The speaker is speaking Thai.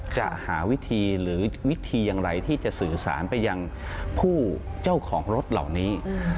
จะหาวิธีหรือวิธีอย่างไรที่จะสื่อสารไปยังผู้เจ้าของรถเหล่านี้